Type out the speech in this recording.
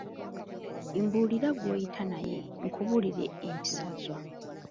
Mbulira gw’oyita naye, nkubuulire empisazo.